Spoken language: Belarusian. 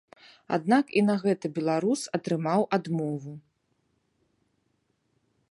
Аднак і на гэта беларус атрымаў адмову.